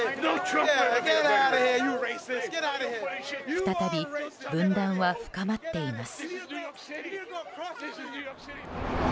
再び、分断は深まっています。